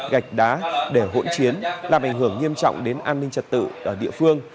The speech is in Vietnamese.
gạch đá để hỗn chiến làm ảnh hưởng nghiêm trọng đến an ninh trật tự ở địa phương